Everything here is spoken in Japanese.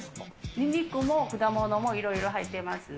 ニンニクも果物もいろいろ入っていますね。